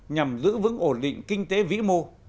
nhằm giữ vững ổn định kinh tế vĩ mô